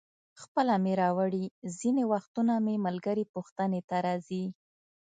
خپله مې راوړي، ځینې وختونه مې ملګري پوښتنې ته راځي.